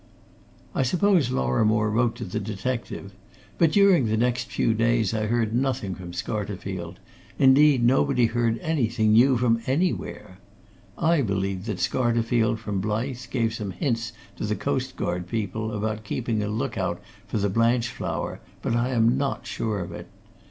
I suppose Lorrimore wrote to the detective. But during the next few days I heard nothing from Scarterfield; indeed nobody heard anything new from anywhere. I believe that Scarterfield from Blyth, gave some hints to the coastguard people about keeping a look out for the Blanchflower, but I am not sure of it.